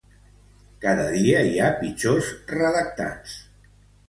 Cada dia hi ha pitjors redactats